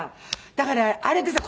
だからあれでさ